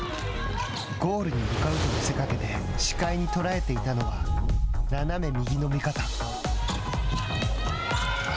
ゴールに向かうと見せかけて視界に捉えていたのは斜め右の味方。